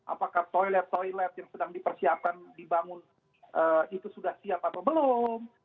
apakah toilet toilet yang sedang dipersiapkan dibangun itu sudah siap atau belum